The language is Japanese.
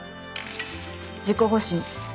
自己保身。